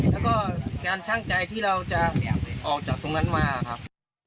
แล้วก็การช่างใจที่เราจะออกจากตรงนั้นมาครับ